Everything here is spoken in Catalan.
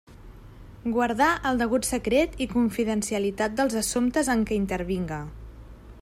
Guardar el degut secret i confidencialitat dels assumptes en què intervinga.